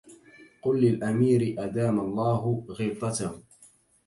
قل للأمير أدام الله غبطته